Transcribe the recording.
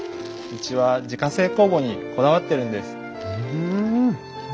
うちは自家製酵母にこだわってるんです。